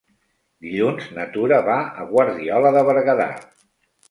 Dilluns na Tura va a Guardiola de Berguedà.